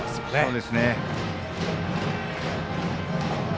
そうですね。